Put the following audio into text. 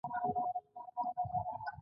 پیرودونکو د دواړو تولیدونکو توکي یو شان پیرل.